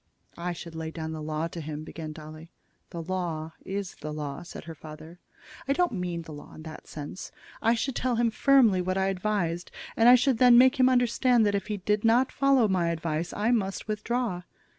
"I should lay down the law to him " began Dolly. "The law is the law," said her father. "I don't mean the law in that sense. I should tell him firmly what I advised, and should then make him understand that if he did not follow my advice I must withdraw.